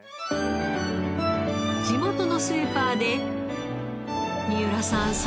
地元のスーパーで三浦さん